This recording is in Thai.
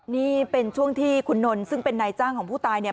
นี่เป็นช่วงที่คุณนนท์ซึ่งเป็นนายจ้างของผู้ตายเนี่ย